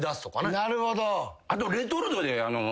なるほど。